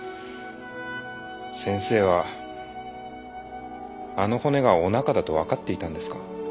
先生はあの骨がおなかだと分かっていたんですか？